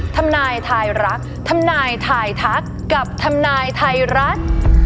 ทำนายทายรักทำนายทายทักกับทำนายไทยรัฐ